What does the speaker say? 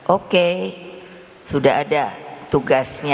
oke sudah ada tugasnya